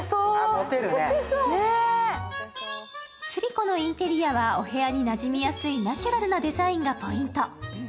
スリコのインテリアはお部屋になじみやすいナチュラルなデザインがポイント。